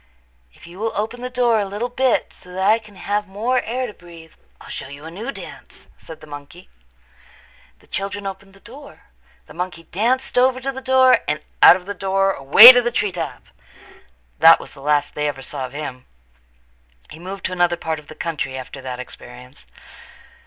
"If you will open the door a little bit so that I can have more air to breathe I'll show you a new dance," said the monkey. The children opened the door. The monkey danced over to the door and out of the door away to the tree top. That was the last they ever saw of him. He moved to another part of the country after that experience.